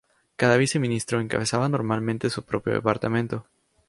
Cada viceministro encabezaba normalmente su propio departamento.